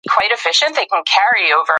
آمو سیند د افغانستان د اقتصاد برخه ده.